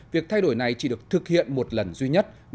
việc thay đổi này chỉ được thực hiện một lần duy nhất